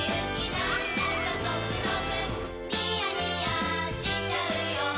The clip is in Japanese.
なんだかゾクゾクニヤニヤしちゃうよ